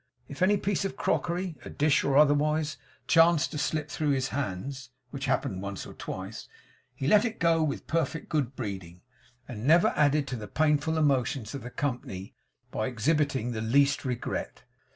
If any piece of crockery, a dish or otherwise, chanced to slip through his hands (which happened once or twice), he let it go with perfect good breeding, and never added to the painful emotions of the company by exhibiting the least regret.